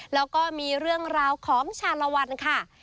แล้วก็มีเรื่องราวของชาลวันค่ะ